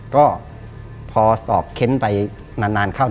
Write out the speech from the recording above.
ก็พอสอบเค้นไปนานเข้า